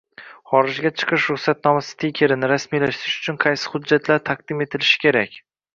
Xorijga chiqish ruxsatnomasi stikerini rasmiylashtirish uchun qaysi hujjatlar taqdim etilishi kerak?